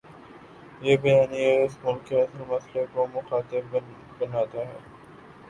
یہ بیانیہ اس ملک کے اصل مسئلے کو مخاطب بناتا ہے۔